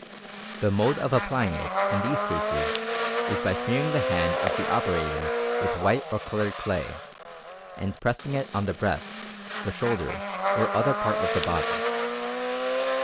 The mode of applying it in these cases is by smearing the hand of the operator with white or coloured clay, and impressing it on the breast, the shoulder, or other part of the body.